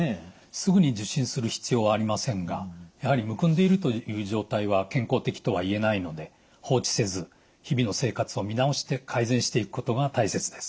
すぐに受診する必要はありませんがやはりむくんでいるという状態は健康的とはいえないので放置せず日々の生活を見直して改善していくことが大切です。